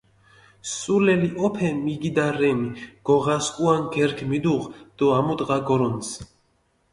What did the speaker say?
სულელი ჸოფე მიგიდა რენი, გოღა სქუა ნგერქჷ მიდუღჷ დო ამუდღა გორჷნცჷ.